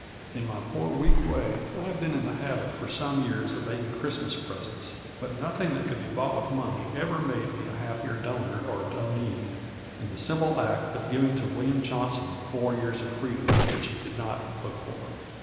In my poor, weak way I have been in the habit for some years of making Christmas presents, but nothing that could be bought with money ever made me a happier donor or donee than the simple act of giving to William Johnson four years of freedom which he did not look for.